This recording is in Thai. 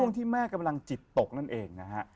ที่แม่กำลังจิตตกนั่นเองนะฮะ